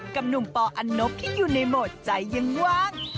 กับหนุ่มปออันนบที่อยู่ในโหมดใจยังว่าง